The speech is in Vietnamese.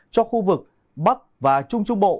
cho khu vực bắc và trung trung bộ